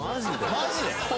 ・「マジで⁉」